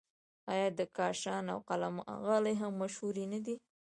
آیا د کاشان او قم غالۍ هم مشهورې نه دي؟